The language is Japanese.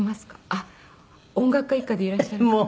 あっ音楽家一家でいらっしゃるから。